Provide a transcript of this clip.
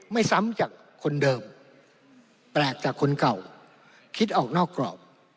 ไม่ซ้ำจากคนเดิมแปลกจากคนเก่าคิดออกนอกกรอบ